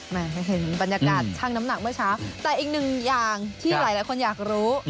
เห็นบรรยากาศชั่งน้ำหนักเมื่อเช้าแต่อีกหนึ่งอย่างที่หลายคนอยากรู้